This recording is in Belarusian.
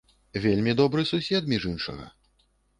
Вельмі добры сусед, між іншага.